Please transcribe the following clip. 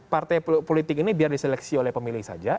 partai politik ini biar diseleksi oleh pemilih saja